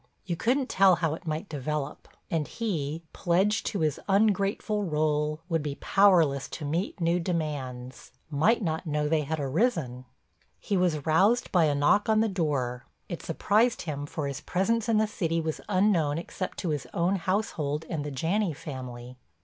You couldn't tell how it might develop, and he, pledged to his ungrateful rôle, would be powerless to meet new demands, might not know they had arisen. He was roused by a knock on the door. It surprised him for his presence in the city was unknown except to his own household and the Janney family.